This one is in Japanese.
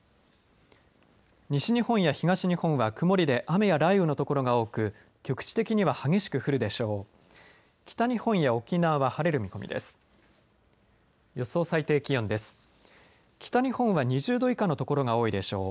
西日本や東日本は曇りで雨や雷雨の所が多く局地的には激しく降るでしょう。